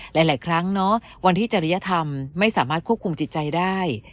หลายครั้งเนาะวันที่จริยธรรมไม่สามารถควบคุมจิตใจได้